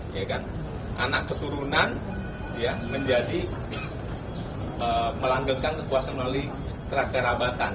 ya kan anak keturunan ya menjadi melanggengkan kekuasaan melalui kerabatan